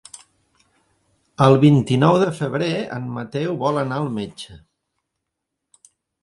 El vint-i-nou de febrer en Mateu vol anar al metge.